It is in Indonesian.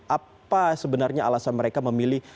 apa sebenarnya alasan mereka memilih